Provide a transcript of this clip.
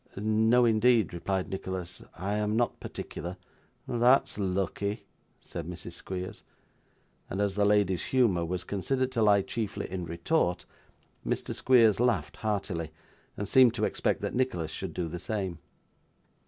No, indeed,' replied Nicholas, 'I am not particular.' 'That's lucky,' said Mrs. Squeers. And as the lady's humour was considered to lie chiefly in retort, Mr. Squeers laughed heartily, and seemed to expect that Nicholas should do the same.